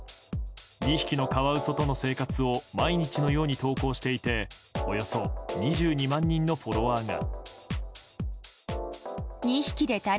２匹のカワウソとの生活を毎日のように投稿していておよそ２２万人のフォロワーが。